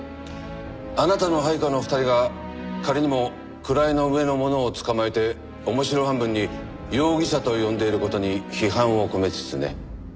あなたの配下の２人が仮にも位の上の者をつかまえて面白半分に容疑者と呼んでいる事に批判を込めつつね。